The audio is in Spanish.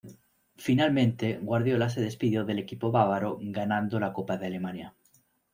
Finalmente, Guardiola se despidió del equipo bávaro ganando la Copa de Alemania.